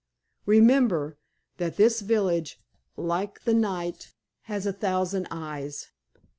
Remember that this village, like the night, has a thousand eyes.